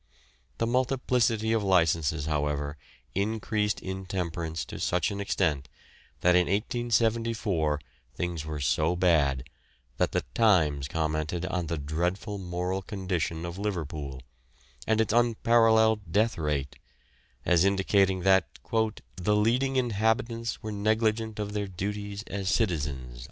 The multiplicity of licences, however, increased intemperance to such an extent that in 1874 things were so bad that the Times commented on the dreadful moral condition of Liverpool, and its unparalleled death rate, as indicating that "the leading inhabitants were negligent of their duties as citizens."